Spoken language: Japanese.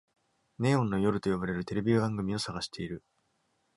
ネオンの夜と呼ばれるテレビ番組を探している